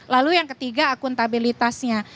lalu yang ketiga akuntabilitasnya